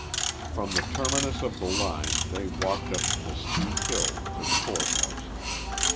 From the terminus of the line they walked up the steep hill to the court house.